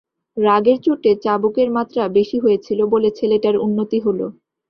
রাগের চোটে চাবুকের মাত্রা বেশি হয়েছিল বলে ছেলেটার উন্নতি হল।